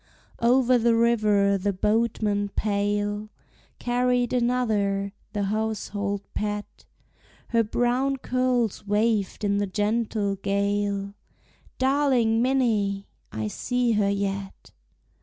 Over the river the boatman pale Carried another, the household pet; Her brown curls waved in the gentle gale, Darling Minnie! I see her yet.